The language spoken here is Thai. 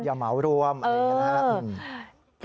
อย่าเหมาร่วมอะไรอย่างนี้ล่ะ